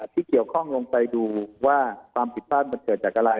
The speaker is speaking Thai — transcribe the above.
ที่เกี่ยวข้องลงไปดูว่าความผิดพลาดมันเกิดจากอะไร